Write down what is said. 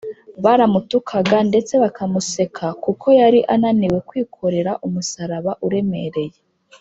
baramutukaga ndetse bakamuseka kuko yari ananiwe kwikorera umusaraba uremereye